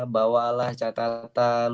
bawa lah catatan